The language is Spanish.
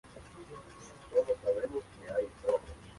Estudió en la Facultad de Medicina de la Universidad de El Salvador.